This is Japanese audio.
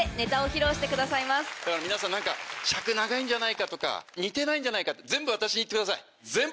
皆さん尺長いんじゃないかとか似てないんじゃないかって全部私に言ってください。